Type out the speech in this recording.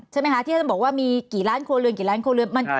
ใช่ไหมคะที่ท่านบอกว่ามีกี่ล้านโครงเรือน